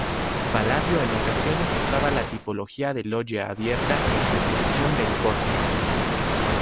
Palladio en ocasiones usaba la tipología de "loggia abierta" en sustitución del pórtico.